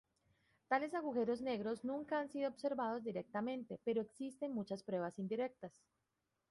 Tales agujeros negros nunca han sido observados directamente, pero existen muchas pruebas indirectas.